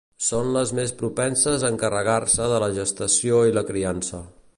Són les més propenses a encarregar-se de la gestació i la criança.